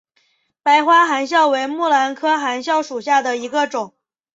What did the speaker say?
白花含笑为木兰科含笑属下的一个种。